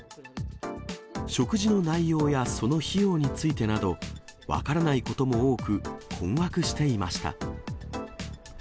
食事の内容やその費用についてなど、分からないことも多く、困惑していました。